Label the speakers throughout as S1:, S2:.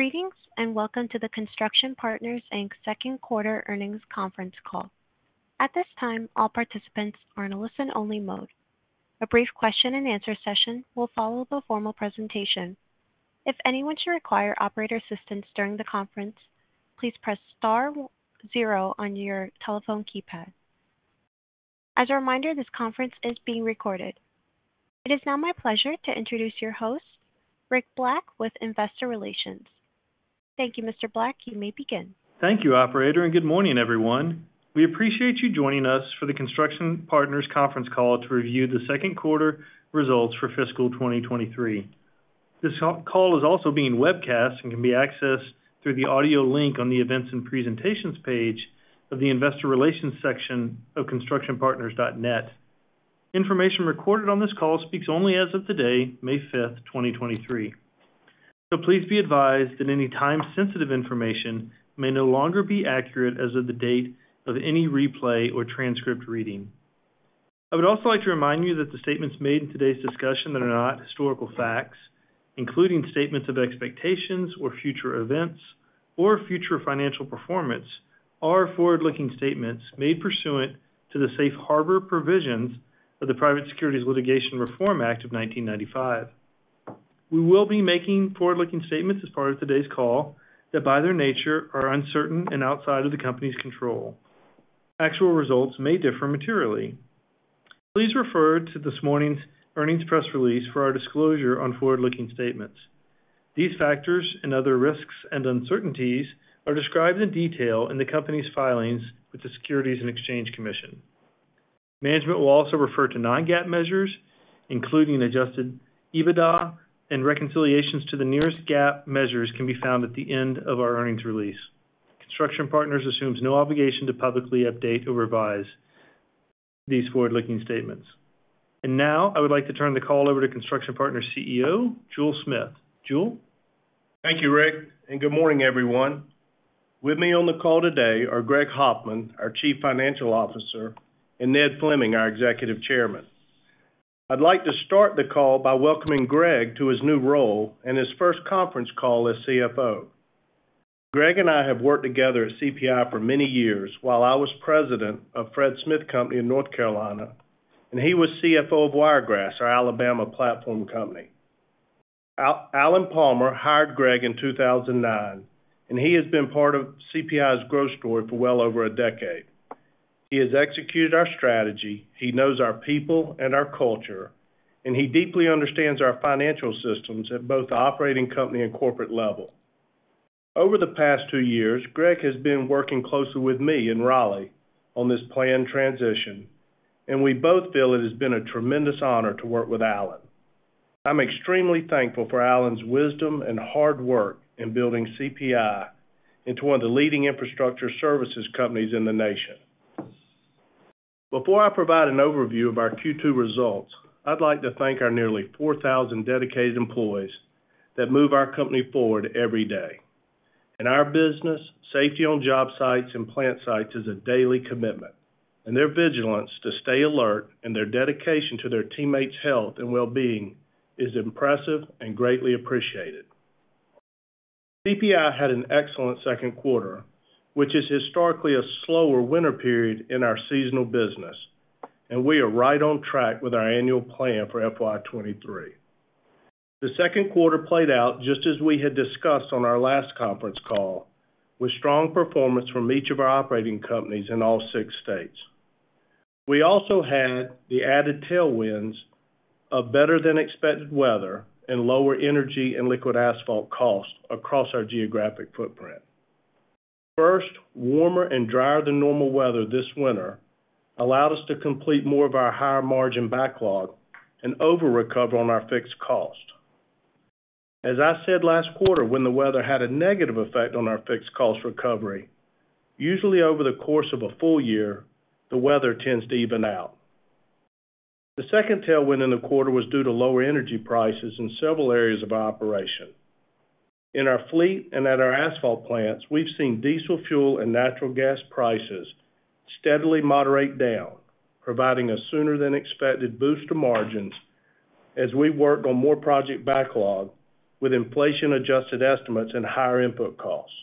S1: Greetings, welcome to the Construction Partners, Inc. second quarter earnings conference call. At this time, all participants are in a listen-only mode. A brief question and answer session will follow the formal presentation. If anyone should require operator assistance during the conference, please press star zero on your telephone keypad. As a reminder, this conference is being recorded. It is now my pleasure to introduce your host, Rick Black with Investor Relations. Thank you, Mr. Black. You may begin.
S2: Thank you, operator. Good morning, everyone. We appreciate you joining us for the Construction Partners conference call to review the second quarter results for fiscal 2023. This call is also being webcast and can be accessed through the audio link on the Events and Presentations page of the Investor Relations section of constructionpartners.net. Information recorded on this call speaks only as of today, May 5th, 2023. Please be advised that any time-sensitive information may no longer be accurate as of the date of any replay or transcript reading. I would also like to remind you that the statements made in today's discussion that are not historical facts, including statements of expectations or future events or future financial performance, are forward-looking statements made pursuant to the Safe Harbor provisions of the Private Securities Litigation Reform Act of 1995. We will be making forward-looking statements as part of today's call that, by their nature, are uncertain and outside of the company's control. Actual results may differ materially. Please refer to this morning's earnings press release for our disclosure on forward-looking statements. These factors and other risks and uncertainties are described in detail in the company's filings with the Securities and Exchange Commission. Management will also refer to non-GAAP measures, including adjusted EBITDA and reconciliations to the nearest GAAP measures can be found at the end of our earnings release. Construction Partners assumes no obligation to publicly update or revise these forward-looking statements. Now, I would like to turn the call over to Construction Partners' CEO, Jule Smith. Jule?
S3: Thank you, Rick. Good morning, everyone. With me on the call today are Greg Hoffman, our Chief Financial Officer, and Ned Fleming, our Executive Chairman. I'd like to start the call by welcoming Greg to his new role and his first conference call as CFO. Greg and I have worked together at CPI for many years while I was president of Fred Smith Company in North Carolina, and he was CFO of Wiregrass, our Alabama platform company. Alan Palmer hired Greg in 2009, and he has been part of CPI's growth story for well over a decade. He has executed our strategy, he knows our people and our culture, and he deeply understands our financial systems at both the operating company and corporate level. Over the past two years, Greg Hoffman has been working closely with me in Raleigh on this planned transition, and we both feel it has been a tremendous honor to work with Alan Palmer. I'm extremely thankful for Alan Palmer's wisdom and hard work in building CPI into one of the leading infrastructure services companies in the nation. Before I provide an overview of our Q2 results, I'd like to thank our nearly 4,000 dedicated employees that move our company forward every day. In our business, safety on job sites and plant sites is a daily commitment, and their vigilance to stay alert and their dedication to their teammates' health and wellbeing is impressive and greatly appreciated. CPI had an excellent second quarter, which is historically a slower winter period in our seasonal business, and we are right on track with our annual plan for FY 2023. The second quarter played out just as we had discussed on our last conference call, with strong performance from each of our operating companies in all six states. We also had the added tailwinds of better-than-expected weather and lower energy and liquid asphalt costs across our geographic footprint. First, warmer and drier than normal weather this winter allowed us to complete more of our higher-margin backlog and over-recover on our fixed cost. As I said last quarter, when the weather had a negative effect on our fixed cost recovery, usually over the course of a full year, the weather tends to even out. The second tailwind in the quarter was due to lower energy prices in several areas of our operation. In our fleet and at our asphalt plants, we've seen diesel fuel and natural gas prices steadily moderate down, providing a sooner-than-expected boost to margins as we work on more project backlog with inflation-adjusted estimates and higher input costs.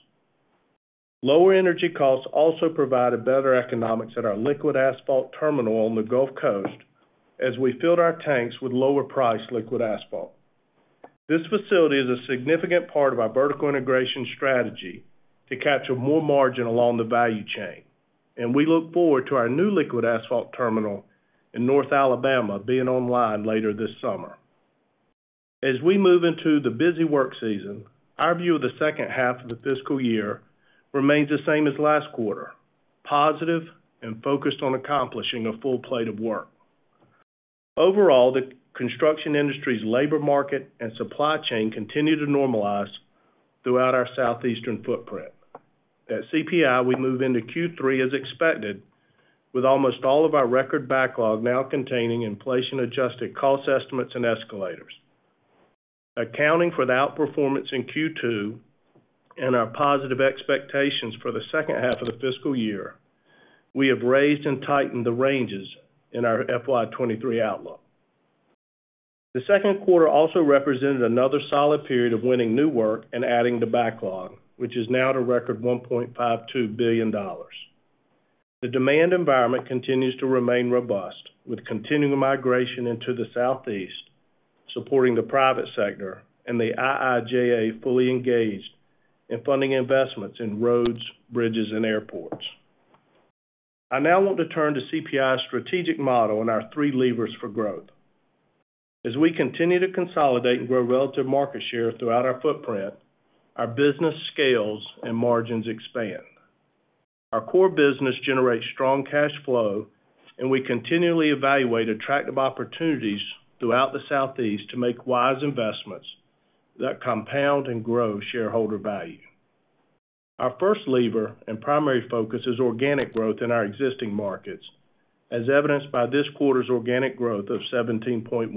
S3: Lower energy costs also provided better economics at our liquid asphalt terminal on the Gulf Coast as we filled our tanks with lower-priced liquid asphalt. This facility is a significant part of our vertical integration strategy to capture more margin along the value chain, and we look forward to our new liquid asphalt terminal in North Alabama being online later this summer. As we move into the busy work season, our view of the second half of the fiscal year remains the same as last quarter, positive and focused on accomplishing a full plate of work. Overall, the construction industry's labor market and supply chain continue to normalize throughout our southeastern footprint. At CPI, we move into Q3 as expected, with almost all of our record backlog now containing inflation-adjusted cost estimates and escalators. Accounting for the outperformance in Q2 and our positive expectations for the second half of the fiscal year, we have raised and tightened the ranges in our FY 2023 outlook. The second quarter also represented another solid period of winning new work and adding to backlog, which is now at a record $1.52 billion. The demand environment continues to remain robust, with continuing migration into the Southeast supporting the private sector and the IIJA fully engaged in funding investments in roads, bridges, and airports. I now want to turn to CPI's strategic model and our three levers for growth. As we continue to consolidate and grow relative market share throughout our footprint, our business scales and margins expand. Our core business generates strong cash flow, and we continually evaluate attractive opportunities throughout the Southeast to make wise investments that compound and grow shareholder value. Our first lever and primary focus is organic growth in our existing markets, as evidenced by this quarter's organic growth of 17.1%.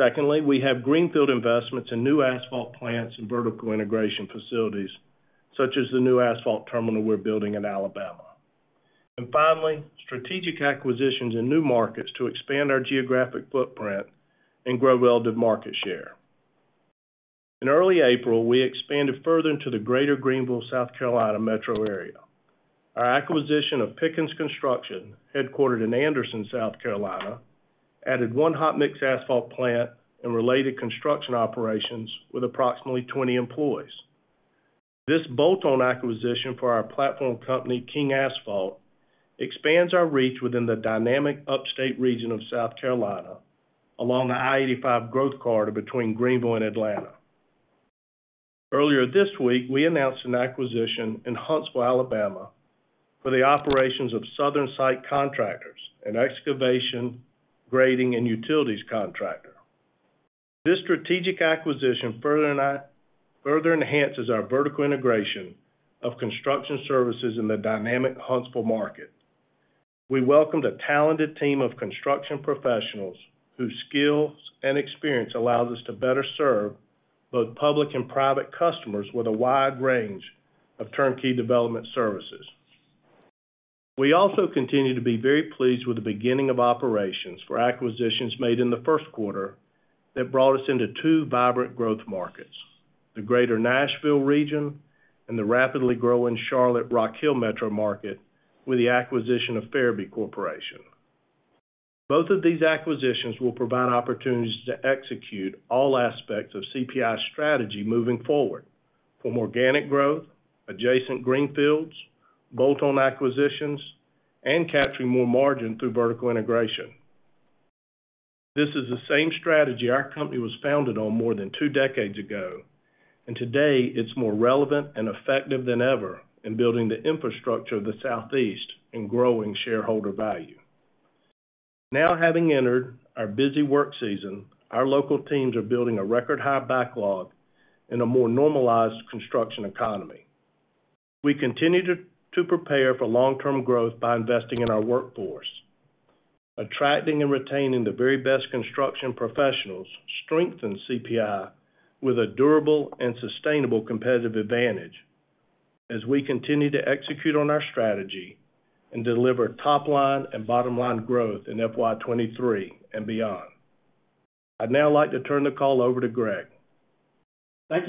S3: Secondly, we have greenfield investments in new asphalt plants and vertical integration facilities, such as the new asphalt terminal we're building in Alabama. Finally, strategic acquisitions in new markets to expand our geographic footprint and grow relative market share. In early April, we expanded further into the greater Greenville, South Carolina metro area. Our acquisition of Pickens Construction, headquartered in Anderson, South Carolina, added one hot mix asphalt plant and related construction operations with approximately 20 employees. This bolt-on acquisition for our platform company, King Asphalt, expands our reach within the dynamic upstate region of South Carolina along the I-85 growth corridor between Greenville and Atlanta. Earlier this week, we announced an acquisition in Huntsville, Alabama, for the operations of Southern Site Contractors, an excavation, grading, and utilities contractor. This strategic acquisition further enhances our vertical integration of construction services in the dynamic Huntsville market. We welcomed a talented team of construction professionals whose skills and experience allows us to better serve both public and private customers with a wide range of turnkey development services. We also continue to be very pleased with the beginning of operations for acquisitions made in the first quarter that brought us into two vibrant growth markets, the greater Nashville region and the rapidly growing Charlotte Rock Hill metro market with the acquisition of Ferebee Corporation. Both of these acquisitions will provide opportunities to execute all aspects of CPI's strategy moving forward from organic growth, adjacent greenfields, bolt-on acquisitions, and capturing more margin through vertical integration. This is the same strategy our company was founded on more than two decades ago, and today it's more relevant and effective than ever in building the infrastructure of the Southeast and growing shareholder value. Having entered our busy work season, our local teams are building a record high backlog in a more normalized construction economy. We continue to prepare for long-term growth by investing in our workforce. Attracting and retaining the very best construction professionals strengthen CPI with a durable and sustainable competitive advantage as we continue to execute on our strategy and deliver top-line and bottom-line growth in FY 2023 and beyond. I'd now like to turn the call over to Greg.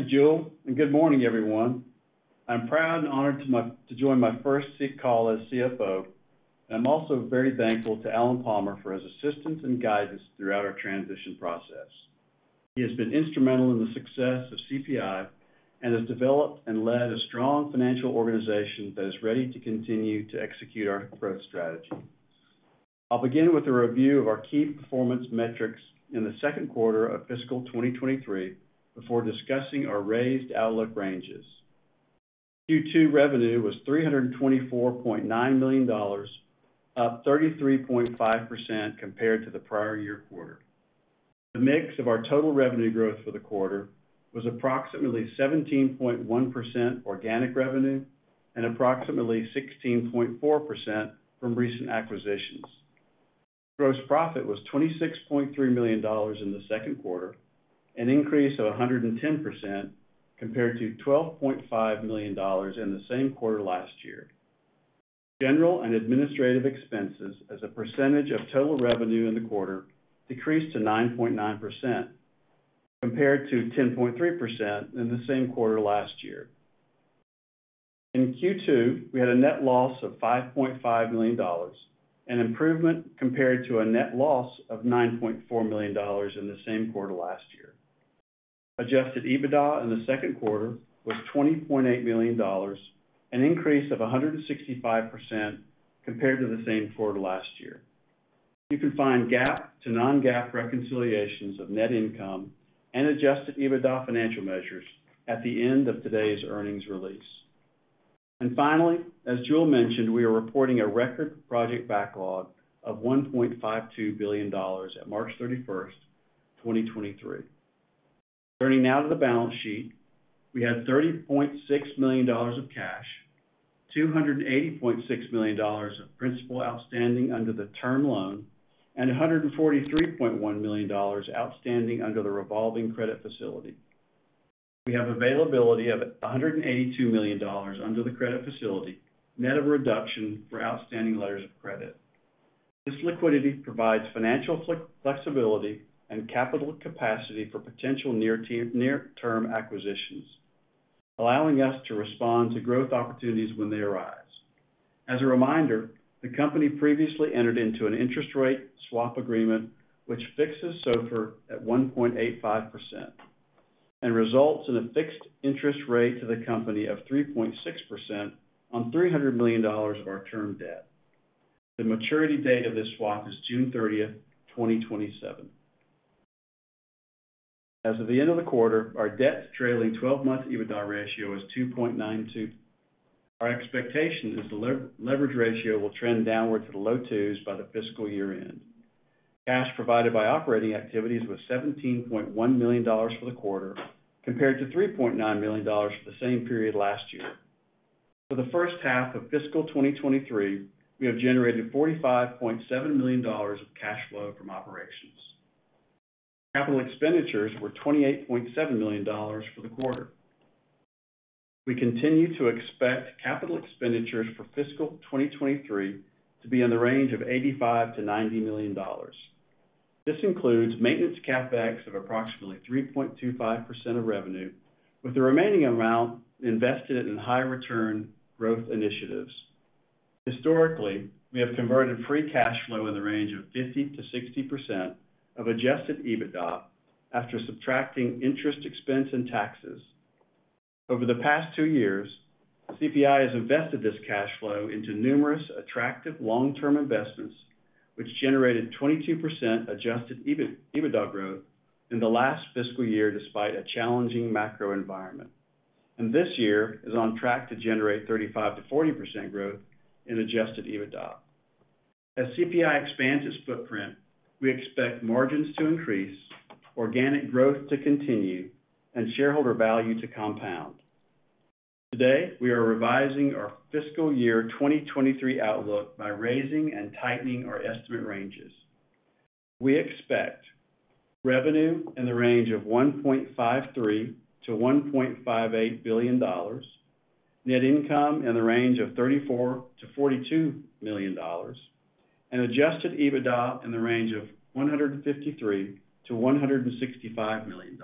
S4: Good morning, everyone. I'm proud and honored to join my first call as CFO. I'm also very thankful to Alan Palmer for his assistance and guidance throughout our transition process. He has been instrumental in the success of CPI and has developed and led a strong financial organization that is ready to continue to execute our growth strategy. I'll begin with a review of our key performance metrics in the second quarter of fiscal 2023 before discussing our raised outlook ranges. Q2 revenue was $324.9 million, up 33.5% compared to the prior year quarter. The mix of our total revenue growth for the quarter was approximately 17.1% organic revenue and approximately 16.4% from recent acquisitions. Gross profit was $26.3 million in the second quarter, an increase of 110% compared to $12.5 million in the same quarter last year. General and administrative expenses as a percentage of total revenue in the quarter decreased to 9.9% compared to 10.3% in the same quarter last year. In Q2, we had a net loss of $5.5 million, an improvement compared to a net loss of $9.4 million in the same quarter last year. adjusted EBITDA in the second quarter was $20.8 million, an increase of 165% compared to the same quarter last year. You can find GAAP to non-GAAP reconciliations of net income and adjusted EBITDA financial measures at the end of today's earnings release. Finally, as Jule mentioned, we are reporting a record project backlog of $1.52 billion at March 31st, 2023. Turning now to the balance sheet, we had $30.6 million of cash, $280.6 million of principal outstanding under the term loan, and $143.1 million outstanding under the revolving credit facility. We have availability of $182 million under the credit facility, net of reduction for outstanding letters of credit. This liquidity provides financial flexibility and capital capacity for potential near-term acquisitions, allowing us to respond to growth opportunities when they arise. As a reminder, the company previously entered into an interest rate swap agreement, which fixes SOFR at 1.85% and results in a fixed interest rate to the company of 3.6% on $300 million of our term debt. The maturity date of this swap is June 30th, 2027. As of the end of the quarter, our debt trailing 12 months EBITDA ratio is 2.92. Our expectation is the leverage ratio will trend downward to the low twos by the fiscal year-end. Cash provided by operating activities was $17.1 million for the quarter, compared to $3.9 million for the same period last year. For the first half of fiscal 2023, we have generated $45.7 million of cash flow from operations. Capital expenditures were $28.7 million for the quarter. We continue to expect capital expenditures for FY 2023 to be in the range of $85 million-$90 million. This includes maintenance CapEx of approximately 3.25% of revenue, with the remaining amount invested in high return growth initiatives. Historically, we have converted free cash flow in the range of 50%-60% of adjusted EBITDA after subtracting interest, expense, and taxes. Over the past two years, CPI has invested this cash flow into numerous attractive long-term investments, which generated 22% adjusted EBITDA growth in the last fiscal year despite a challenging macro environment. This year is on track to generate 35%-40% growth in adjusted EBITDA. As CPI expands its footprint, we expect margins to increase, organic growth to continue, and shareholder value to compound. Today, we are revising our fiscal year 2023 outlook by raising and tightening our estimate ranges. We expect revenue in the range of $1.53 billion-$1.58 billion, net income in the range of $34 million-$42 million, and adjusted EBITDA in the range of $153 million-$165 million.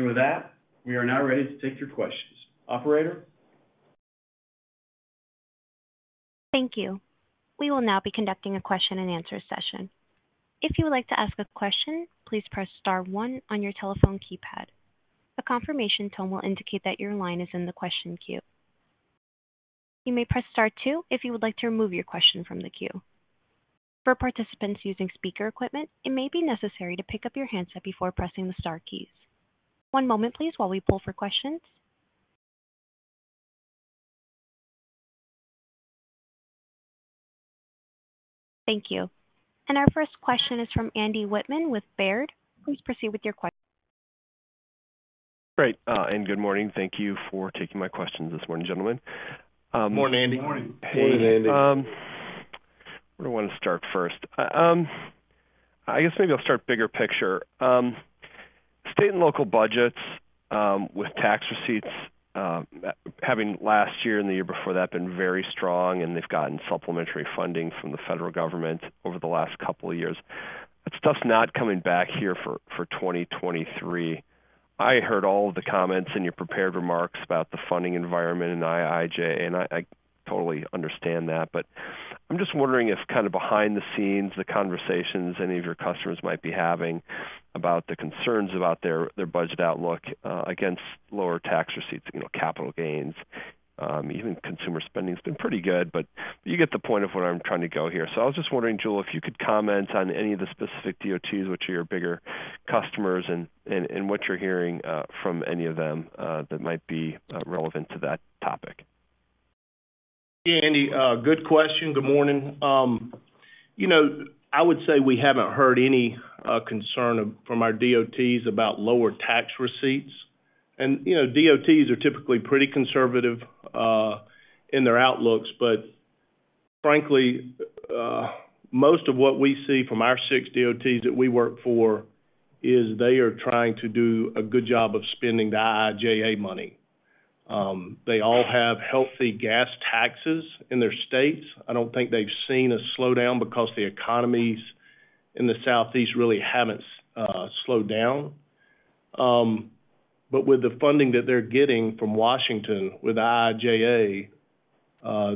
S4: With that, we are now ready to take your questions. Operator?
S1: Thank you. We will now be conducting a question and answer session. If you would like to ask a question, please press star one on your telephone keypad. A confirmation tone will indicate that your line is in the question queue. You may press star two if you would like to remove your question from the queue. For participants using speaker equipment, it may be necessary to pick up your handset before pressing the star keys. One moment please while we pull for questions. Thank you. Our first question is from Andrew Wittmann with Baird. Please proceed with your question.
S5: Great. Good morning. Thank you for taking my questions this morning, gentlemen.
S4: Morning, Andy.
S1: Morning.
S4: Morning, Andy.
S5: Where do I wanna start first? I guess maybe I'll start bigger picture. State and local budgets, with tax receipts, having last year and the year before that been very strong, and they've gotten supplementary funding from the federal government over the last couple of years. That stuff's not coming back here for 2023. I heard all of the comments in your prepared remarks about the funding environment in IIJA, and I totally understand that. I'm just wondering if kind of behind the scenes, the conversations any of your customers might be having about the concerns about their budget outlook, against lower tax receipts, you know, capital gains, even consumer spending's been pretty good, but you get the point of where I'm trying to go here. I was just wondering, Jule, if you could comment on any of the specific DOTs, which are your bigger customers and what you're hearing from any of them that might be relevant to that topic.
S3: Andy, good question. Good morning. You know, I would say we haven't heard any concern from our DOTs about lower tax receipts. You know, DOTs are typically pretty conservative in their outlooks, but frankly, most of what we see from our six DOTs that we work for is they are trying to do a good job of spending the IIJA money. They all have healthy gas taxes in their states. I don't think they've seen a slowdown because the economies in the southeast really haven't slowed down. With the funding that they're getting from Washington with IIJA,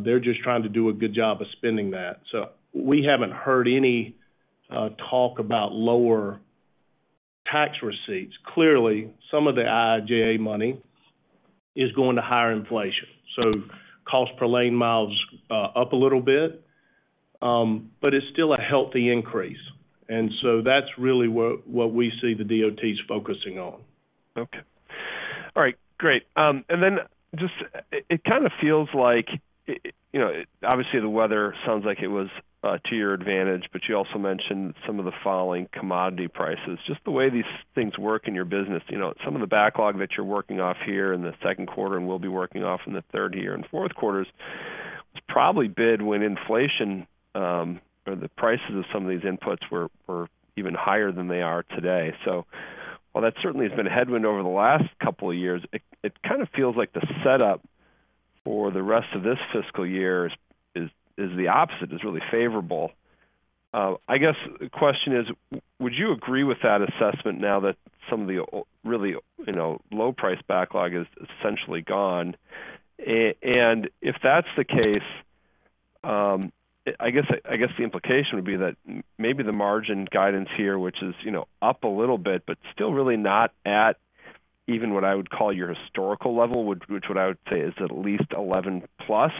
S3: they're just trying to do a good job of spending that. We haven't heard any talk about lower tax receipts. Clearly, some of the IIJA money is going to higher inflation, so cost per lane miles, up a little bit, but it's still a healthy increase. That's really what we see the DOTs focusing on.
S5: Okay. All right, great. Just it kinda feels like, you know, obviously the weather sounds like it was to your advantage, but you also mentioned some of the falling commodity prices. Just the way these things work in your business, you know, some of the backlog that you're working off here in the second quarter and will be working off in the third year and fourth quarters. Probably bid when inflation or the prices of some of these inputs were even higher than they are today. While that certainly has been a headwind over the last couple of years, it kind of feels like the setup for the rest of this fiscal year is the opposite, is really favorable. I guess the question is, would you agree with that assessment now that some of the really, you know, low price backlog is essentially gone? If that's the case, I guess the implication would be that maybe the margin guidance here, which is, you know, up a little bit, but still really not at even what I would call your historical level, which what I would say is at least 11+. I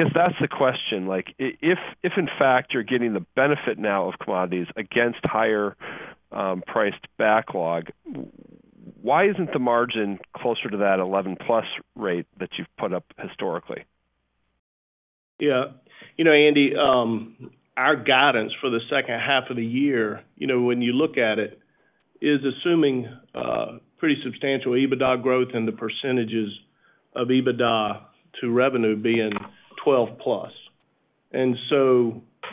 S5: guess that's the question. Like, if in fact you're getting the benefit now of commodities against higher priced backlog, why isn't the margin closer to that 11+ rate that you've put up historically?
S3: Yeah. You know, Andy, our guidance for the second half of the year, you know, when you look at it, is assuming pretty substantial EBITDA growth and the percentages of EBITDA to revenue being 12+.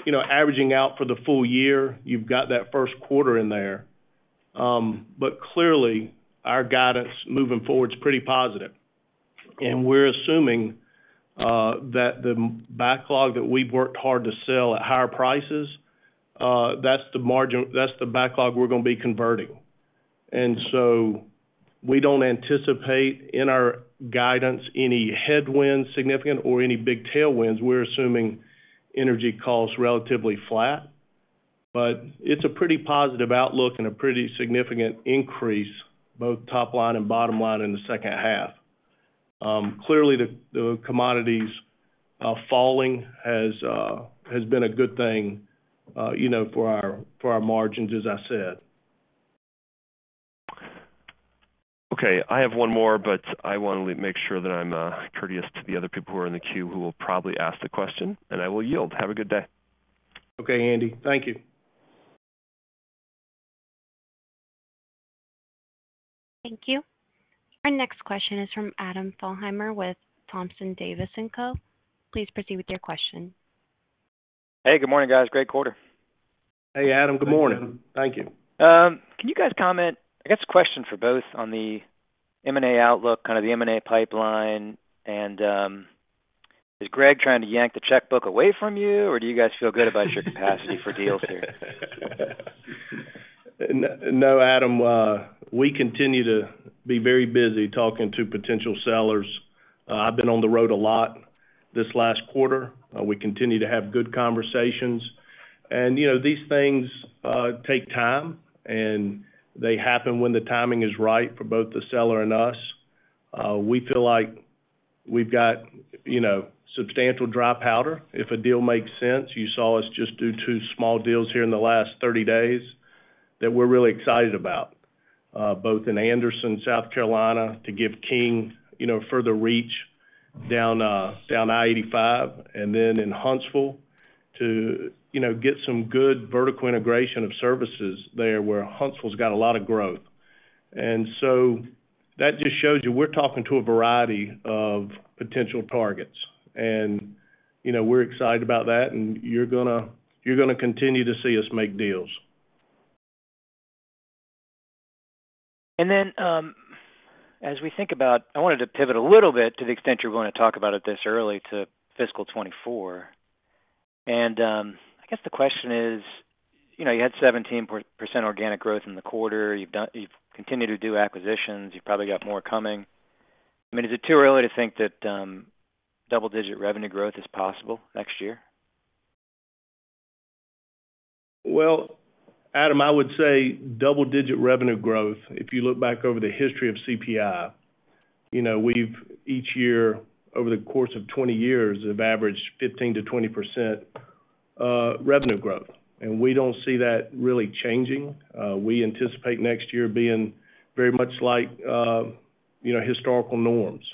S3: You know, averaging out for the full year, you've got that first quarter in there. Clearly, our guidance moving forward is pretty positive. We're assuming that the backlog that we've worked hard to sell at higher prices, that's the margin, that's the backlog we're gonna be converting. We don't anticipate in our guidance any headwinds significant or any big tailwinds. We're assuming energy costs relatively flat. It's a pretty positive outlook and a pretty significant increase, both top line and bottom line in the second half. Clearly, the commodities falling has been a good thing, you know, for our margins, as I said.
S5: Okay. I have one more, but I wanna make sure that I'm courteous to the other people who are in the queue who will probably ask the question, and I will yield. Have a good day.
S3: Okay, Andy. Thank you.
S1: Thank you. Our next question is from Adam Thalhimer with Thompson Davis & Co. Please proceed with your question.
S6: Hey, good morning, guys. Great quarter.
S3: Hey, Adam. Good morning. Thank you.
S6: Can you guys comment, I guess a question for both on the M&A outlook, kind of the M&A pipeline, is Greg trying to yank the checkbook away from you, or do you guys feel good about your capacity for deals here?
S3: No, Adam, we continue to be very busy talking to potential sellers. I've been on the road a lot this last quarter. We continue to have good conversations. You know, these things take time, and they happen when the timing is right for both the seller and us. We feel like we've got, you know, substantial dry powder. If a deal makes sense, you saw us just do two small deals here in the last 30 days that we're really excited about, both in Anderson, South Carolina, to give King, you know, further reach down I-85, and then in Huntsville to, you know, get some good vertical integration of services there where Huntsville's got a lot of growth. That just shows you we're talking to a variety of potential targets. You know, we're excited about that, and you're gonna continue to see us make deals.
S6: I wanted to pivot a little bit to the extent you're gonna talk about it this early to fiscal 2024? I guess the question is, you know, you had 17% organic growth in the quarter. You've continued to do acquisitions. You've probably got more coming. I mean, is it too early to think that double-digit revenue growth is possible next year?
S3: Adam, I would say double-digit revenue growth, if you look back over the history of CPI, you know, we've each year over the course of 20 years have averaged 15%-20% revenue growth, and we don't see that really changing. We anticipate next year being very much like, you know, historical norms.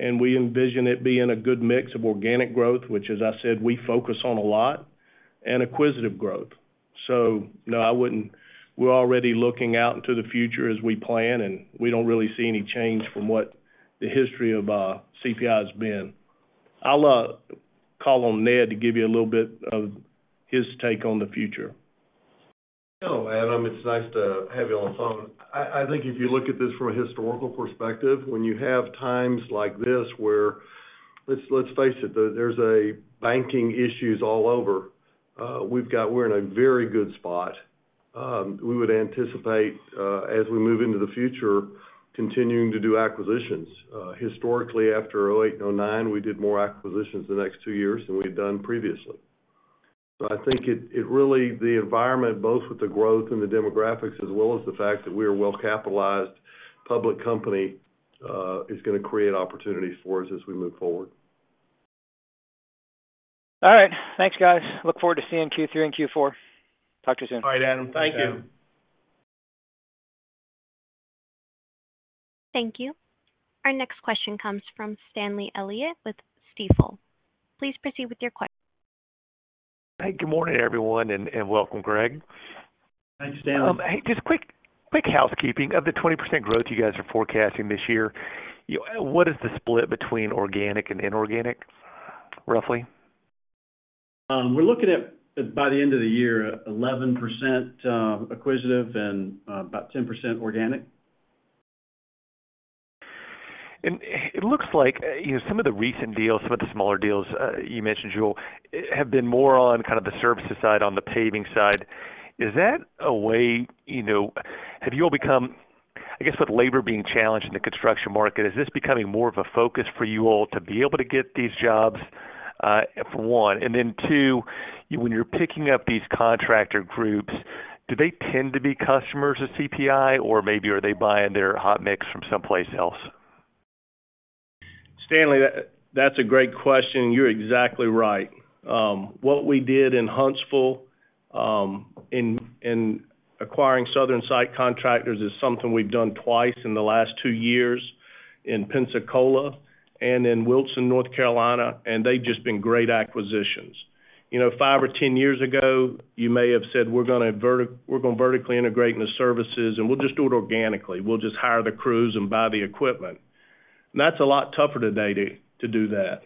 S3: We envision it being a good mix of organic growth, which as I said, we focus on a lot, and acquisitive growth. No, I wouldn't. We're already looking out into the future as we plan, and we don't really see any change from what the history of CPI has been. I'll call on Ned to give you a little bit of his take on the future.
S7: Hello, Adam. It's nice to have you on the phone. I think if you look at this from a historical perspective, when you have times like this where, let's face it, there's a banking issues all over, we're in a very good spot. We would anticipate, as we move into the future, continuing to do acquisitions. Historically after 2008 and 2009, we did more acquisitions the next two years than we had done previously. I think it really, the environment, both with the growth and the demographics as well as the fact that we're a well-capitalized public company, is gonna create opportunities for us as we move forward.
S6: All right. Thanks, guys. Look forward to seeing Q3 and Q4. Talk to you soon.
S3: All right, Adam. Thank you.
S1: Thank you. Our next question comes from Stanley Elliott with Stifel. Please proceed with your que-
S8: Hey, good morning, everyone, and welcome, Greg.
S3: Thanks, Stanley.
S8: Hey, just quick housekeeping. Of the 20% growth you guys are forecasting this year, what is the split between organic and inorganic, roughly?
S3: We're looking at, by the end of the year, 11% acquisitive and, about 10% organic.
S8: It looks like, you know, some of the recent deals, some of the smaller deals, you mentioned, Jule, have been more on kind of the services side, on the paving side. Is that a way? You know, have you all become, I guess with labor being challenged in the construction market, is this becoming more of a focus for you all to be able to get these jobs, for one? Two, when you're picking up these contractor groups, do they tend to be customers of CPI or maybe are they buying their hot mix from someplace else?
S3: Stanley, that's a great question. You're exactly right. What we did in Huntsville, in acquiring Southern Site Contractors is something we've done twice in the last two years in Pensacola and in Wilson, North Carolina, they've just been great acquisitions. You know, five or 10 years ago, you may have said, "We're gonna vertically integrate in the services, and we'll just do it organically. We'll just hire the crews and buy the equipment." That's a lot tougher today to do that.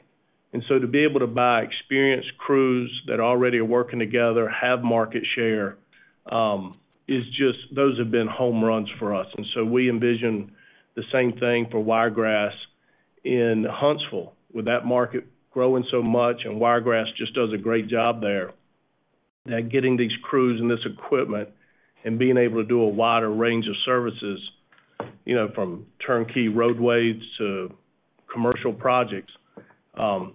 S3: To be able to buy experienced crews that already are working together, have market share, is just. Those have been home runs for us. We envision the same thing for Wiregrass in Huntsville. With that market growing so much, Wiregrass just does a great job there at getting these crews and this equipment and being able to do a wider range of services, you know, from turnkey roadways to commercial projects.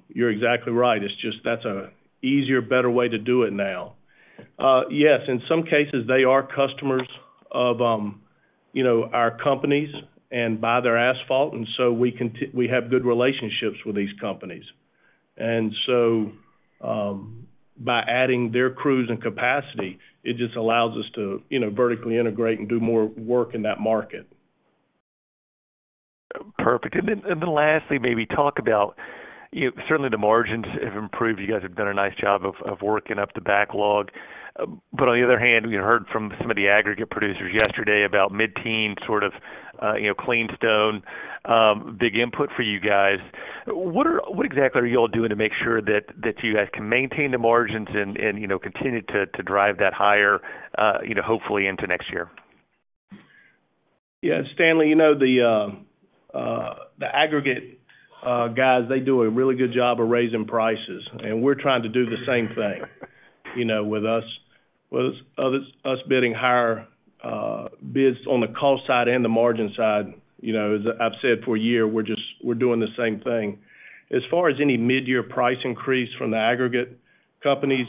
S3: You're exactly right. It's just, that's a easier, better way to do it now. Yes, in some cases, they are customers of, you know, our companies and buy their asphalt, so we have good relationships with these companies. By adding their crews and capacity, it just allows us to, you know, vertically integrate and do more work in that market.
S8: Perfect. Then lastly, maybe talk about, you certainly the margins have improved. You guys have done a nice job of working up the backlog. On the other hand, we heard from some of the aggregate producers yesterday about mid-teen sort of, you know, clean stone, big input for you guys. What exactly are you all doing to make sure that you guys can maintain the margins and, you know, continue to drive that higher, you know, hopefully into next year?
S3: Yeah, Stanley, you know, the aggregate guys, they do a really good job of raising prices, and we're trying to do the same thing, you know, with us bidding higher, bids on the cost side and the margin side. You know, as I've said for a year, we're just, we're doing the same thing. As far as any mid-year price increase from the aggregate companies,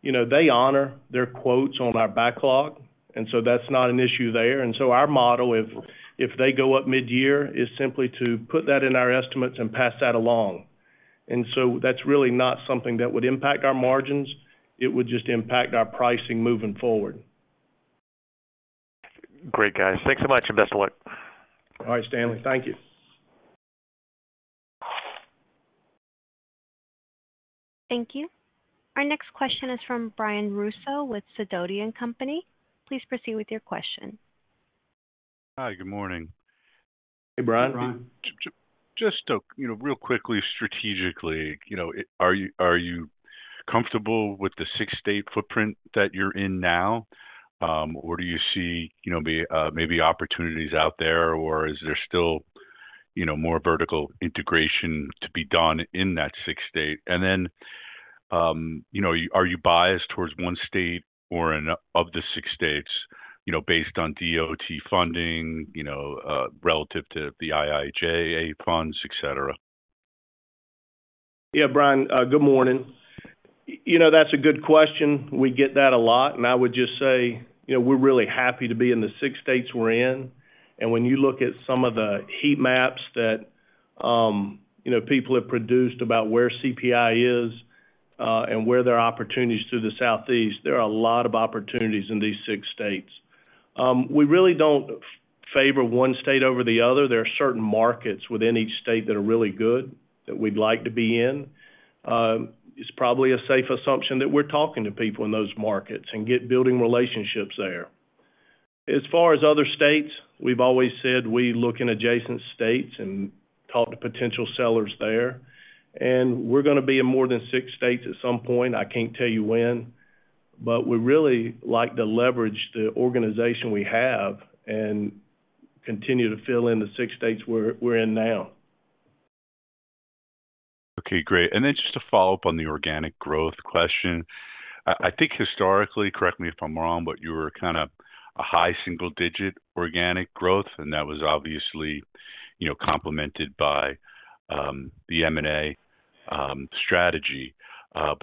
S3: you know, they honor their quotes on our backlog, that's not an issue there. Our model, if they go up mid-year, is simply to put that in our estimates and pass that along. That's really not something that would impact our margins. It would just impact our pricing moving forward.
S8: Great, guys. Thanks so much, and best of luck.
S3: All right, Stanley. Thank you.
S1: Thank you. Our next question is from Brian Russo with Sidoti & Company. Please proceed with your question.
S9: Hi, good morning.
S3: Hey, Brian.
S9: Just to, you know, real quickly, strategically, you know, are you comfortable with the six state footprint that you're in now? Or do you see, you know, maybe opportunities out there, or is there still, you know, more vertical integration to be done in that six state? Then, you know, are you biased towards one state or in of the six states, you know, based on DOT funding, you know, relative to the IIJA funds, et cetera?
S3: Yeah, Brian, good morning. You know, that's a good question. We get that a lot, and I would just say, you know, we're really happy to be in the six states we're in. When you look at some of the heat maps that, you know, people have produced about where CPI is, and where there are opportunities through the Southeast, there are a lot of opportunities in these six states. We really don't favor one state over the other. There are certain markets within each state that are really good that we'd like to be in. It's probably a safe assumption that we're talking to people in those markets and get building relationships there. As far as other states, we've always said we look in adjacent states and talk to potential sellers there, and we're gonna be in more than six states at some point. I can't tell you when, but we really like to leverage the organization we have and continue to fill in the six states we're in now.
S9: Okay, great. Then just to follow up on the organic growth question. I think historically, correct me if I'm wrong, but you were kind of a high single-digit organic growth, and that was obviously, you know, complemented by the M&A strategy.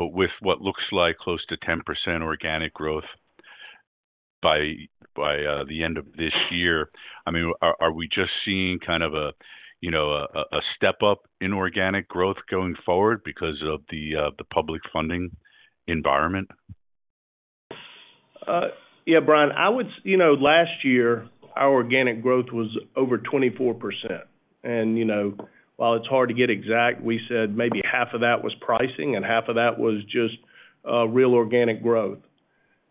S9: With what looks like close to 10% organic growth by the end of this year, I mean, are we just seeing kind of a, you know, a step up in organic growth going forward because of the public funding environment?
S3: Yeah, Brian. You know, last year, our organic growth was over 24%. You know, while it's hard to get exact, we said maybe half of that was pricing and half of that was just real organic growth.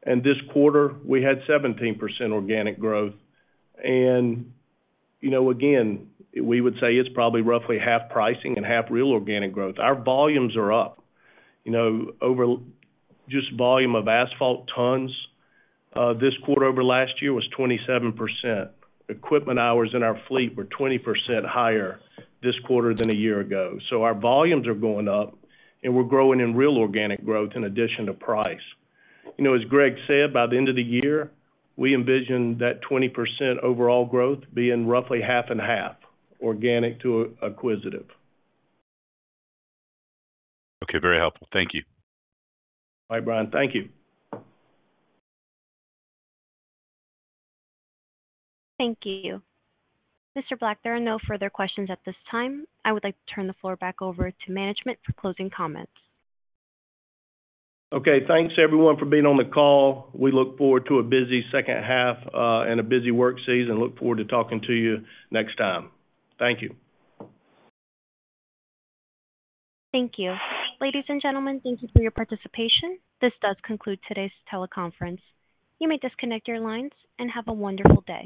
S3: This quarter, we had 17% organic growth. You know, again, we would say it's probably roughly half pricing and half real organic growth. Our volumes are up. You know, Just volume of asphalt tons this quarter over last year was 27%. Equipment hours in our fleet were 20% higher this quarter than a year ago. Our volumes are going up, and we're growing in real organic growth in addition to price. You know, as Greg said, by the end of the year, we envision that 20% overall growth being roughly half and half organic to acquisitive.
S9: Okay, very helpful. Thank you.
S3: Bye, Brian. Thank you.
S1: Thank you. Mr. Black, there are no further questions at this time. I would like to turn the floor back over to management for closing comments.
S2: Thanks everyone for being on the call. We look forward to a busy second half and a busy work season. Look forward to talking to you next time. Thank you.
S1: Thank you. Ladies and gentlemen, thank you for your participation. This does conclude today's teleconference. You may disconnect your lines, and have a wonderful day.